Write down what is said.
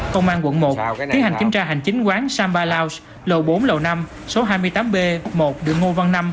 công an quận một tiến hành kiểm tra hành chính quán sambalose lầu bốn lầu năm số hai mươi tám b một đường ngô văn năm